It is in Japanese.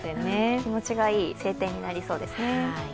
気持ちがいい晴天になりそうですね。